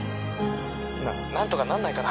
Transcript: なあ何とかなんないかな？